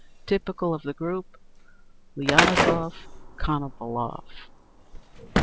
Typical of the Group: Lianozov, Konovalov.